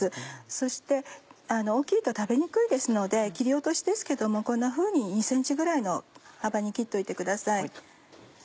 そして大きいと食べにくいですので切り落としですけどもこんなふうに２ｃｍぐらいの幅に切っておいてください。